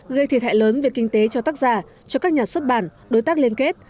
gây thiệt hại lớn về kinh tế cho tác giả cho các nhà xuất bản đối tác liên kết